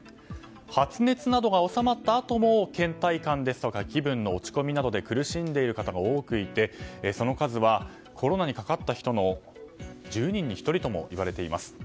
発熱などが収まったあとも倦怠感ですとか気分の落ち込みなどで苦しんでいる方が多くいてその数はコロナにかかった人の１０人に１人ともいわれています。